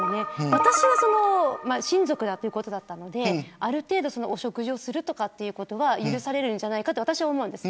私は親族だということだったのである程度お食事をするということは許されるんじゃないかと思うんです。